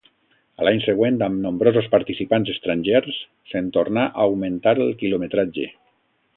A l'any següent, amb nombrosos participants estrangers, se'n tornà a augmentar el quilometratge.